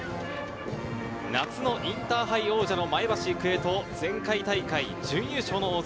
夏のインターハイ王者の前橋育英と前回大会準優勝の大津。